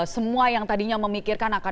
semua yang tadinya memikirkan akan